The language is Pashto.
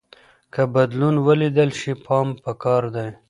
که بدلون ولیدل شي پام پکار دی.